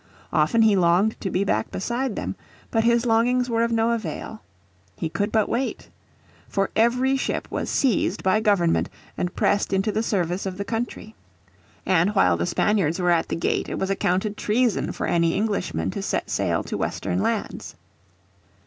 Often he longed to be back beside them. But his longings were of no avail. He could but wait. For every ship was seized by Government and pressed into the service of the country. And while the Spaniards were at the gate it was accounted treason for any Englishman to sail to western lands.